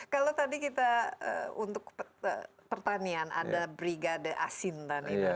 kalau tadi kita untuk pertanian ada brigade asintan itu